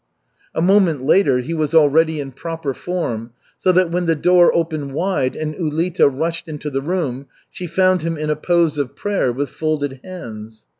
A moment later he was already in "proper form," so that when the door opened wide and Ulita rushed into the room, she found him in a pose of prayer with folded hands.